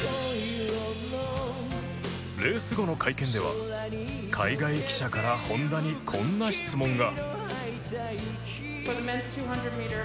レース後の会見では海外記者から本多にこんな質問が